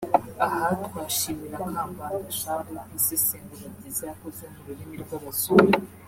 Aha twashimira Kambanda Charles ku isesengura ryiza yakoze (mu rurimi rw’abazungu)